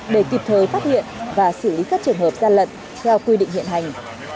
để kịp thời phát hiện và xử lý các trường hợp gian lận theo quy định hiện hành